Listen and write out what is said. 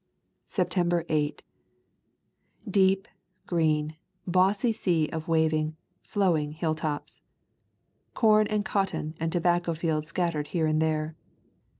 September 8. Deep, green, bossy sea of wav ing, flowing hilltops. Corn and cotton and to bacco fields scattered here and there.